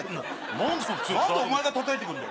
何でお前が叩いて来るんだよ。